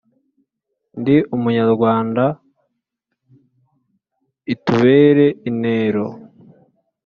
ndi umunyarwanda itubere intero